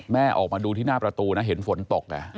ออกมาดูที่หน้าประตูนะเห็นฝนตก